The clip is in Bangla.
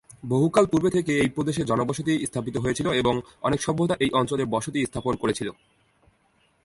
বহুকাল পূর্বে থেকে এই প্রদেশে জনবসতি স্থাপিত হয়েছিল এবং অনেক সভ্যতা এই অঞ্চলে বসতি স্থাপন করেছিল।